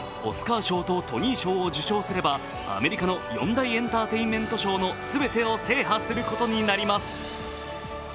今後、オスカー賞とトニー賞を受賞すればアメリカの４大エンターテインメント賞の全てを制覇することになります。